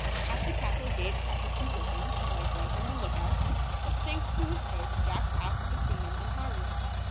At the castle gate sat the two griffins, likewise on the look out ; but thanks to his coat Jack passed between them unharmed.